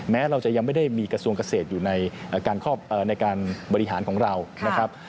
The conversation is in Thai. แม้เราจะยังไม่ได้มีกระทรวงเกษตรอยู่ในการบริหารของเรานะครับ